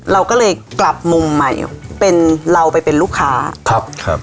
เราก็เลยกลับมุมใหม่เป็นเราไปเป็นลูกค้าครับครับ